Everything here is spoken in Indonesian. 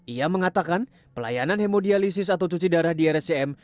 ia mengatakan pelayanan hemodialisis atau cuci darah di rscm